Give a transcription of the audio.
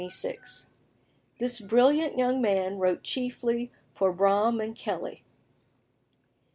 This brilliant young man wrote chiefly for Braham and Kelly.